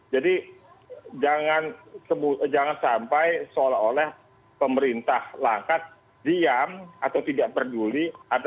jadi jangan sampai seolah olah pemerintah langkat diam atau tidak peduli